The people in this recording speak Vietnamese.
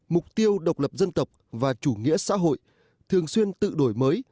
mục tiêu độc lập dân tộc và chủ nghĩa xã hội thường xuyên tự đổi mới